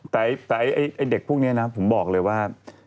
แต่ไอ้เด็กพวกนี้นะผมบอกเลยว่า